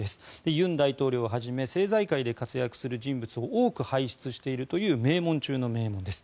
尹大統領をはじめ政財界で活躍する人物を多く輩出しているという名門中の名門です。